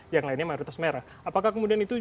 yang lainnya merah terus merah apakah kemudian itu